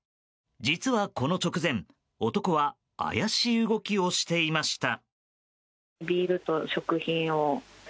実はこの直前男は怪しい動きをしていました。